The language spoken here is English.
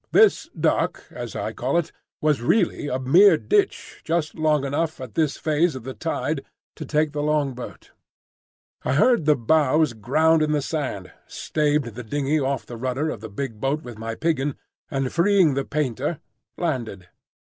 This dock, as I call it, was really a mere ditch just long enough at this phase of the tide to take the longboat. I heard the bows ground in the sand, staved the dingey off the rudder of the big boat with my piggin, and freeing the painter, landed.